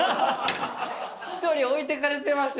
１人置いてかれてますよ